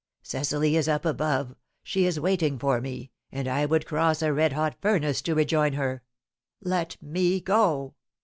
"Cecily is up above; she is waiting for me, and I would cross a red hot furnace to rejoin her. Let me go!